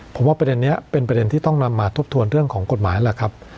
ผมว่าประเด็นนี้เป็นประเด็นที่ต้องนำมาทบทวนเรื่องของกฎหมายแหละครับ